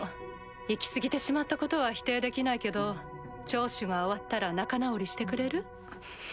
いき過ぎてしまったことは否定できないけど聴取が終わったら仲直りしてくれる？